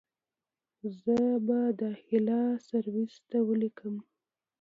زه به داخله سرويس ته وليکم.